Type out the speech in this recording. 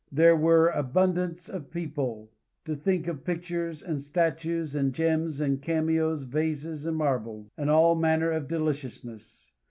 There were abundance of people to think of pictures, and statues, and gems, and cameos, vases and marbles, and all manner of deliciousness.